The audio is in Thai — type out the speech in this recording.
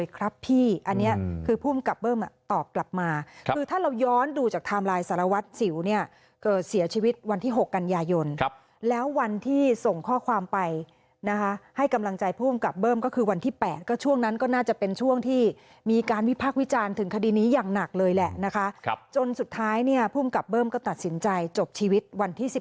ครับพี่อันนี้คือภูมิกับเบิ้มตอบกลับมาคือถ้าเราย้อนดูจากไทม์ไลน์สารวัตรสิวเนี่ยเกิดเสียชีวิตวันที่๖กันยายนแล้ววันที่ส่งข้อความไปนะคะให้กำลังใจผู้กำกับเบิ้มก็คือวันที่๘ก็ช่วงนั้นก็น่าจะเป็นช่วงที่มีการวิพากษ์วิจารณ์ถึงคดีนี้อย่างหนักเลยแหละนะคะจนสุดท้ายเนี่ยภูมิกับเบิ้มก็ตัดสินใจจบชีวิตวันที่๑๑